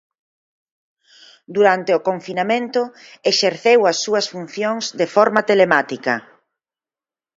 Durante o confinamento exerceu as súas funcións de forma telemática.